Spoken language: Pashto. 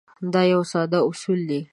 دا یو ساده اصول دی.